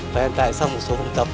và hiện tại sau một số hôm tập